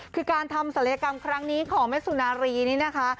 คือการทำศัลยกรรมครั้งนี้ของแม่สุนารีนี่นะคะ